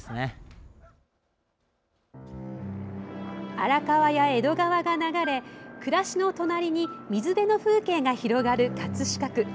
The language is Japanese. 荒川や江戸川が流れ暮らしの隣に水辺の風景が広がる葛飾区。